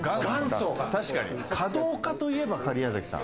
華道家といえば假屋崎さん。